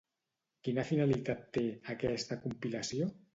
Quina finalitat té, aquesta compilació?